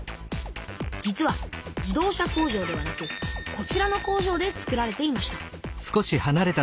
実は自動車工場ではなくこちらの工場でつくられていました